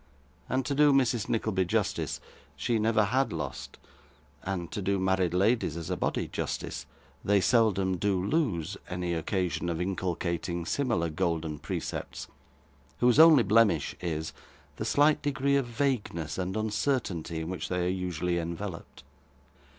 And to do Mrs. Nickleby justice, she never had lost and to do married ladies as a body justice, they seldom do lose any occasion of inculcating similar golden percepts, whose only blemish is, the slight degree of vagueness and uncertainty in which they are usually enveloped.